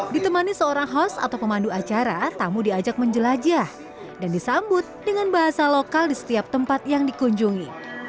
ditemani seorang host atau pemandu acara tamu diajak menjelajah dan disambut dengan bahasa lokal di setiap tempat yang dikunjungi